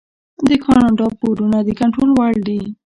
د کاناډا پورونه د کنټرول وړ دي.